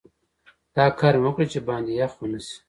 دا کار مې وکړ چې باندې یخ ونه شي.